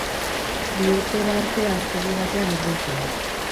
Bi urtera arte haztegi batean egon zen.